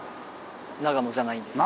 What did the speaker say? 長野じゃないんです。